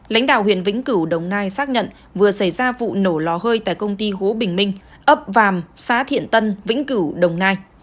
lãnh đạo huyện vĩnh cửu đồng nai xác nhận vừa xảy ra vụ nổ lò hơi tại công ty hố bình minh ấp vàm xã thiện tân vĩnh cửu đồng nai